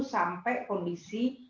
sampai kondisi kembali